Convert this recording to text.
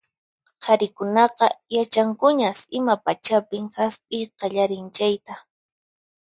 Qharikunaqa yachankuñas ima pachapin hasp'iy qallarin chayta.